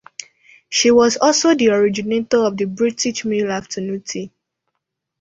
She was also the originator of the British meal afternoon tea.